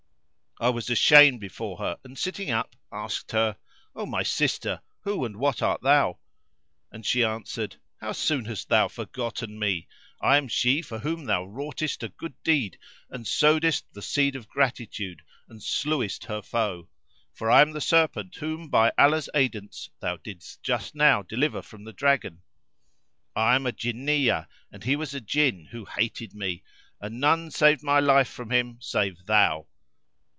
I was ashamed before her[FN#325] and, sitting up, asked her, "O my sister, who and what art thou?"; and she answered, "How soon hast thou forgotten me! I am she for whom thou wroughtest a good deed and sowedest the seed of gratitude and slewest her foe; for I am the serpent whom by Allah's aidance thou didst just now deliver from the Dragon. I am a Jinniyah and he was a Jinn who hated me, and none saved my life from him save thou.